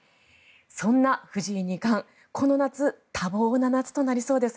そんな藤井二冠、この夏多忙な夏となりそうです。